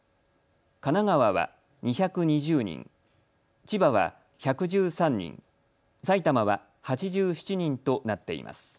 神奈川は２２０人、千葉は１１３人、埼玉は８７人となっています。